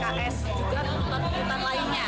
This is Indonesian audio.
juga tuntutan tuntutan lainnya